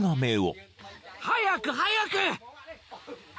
早く！早く！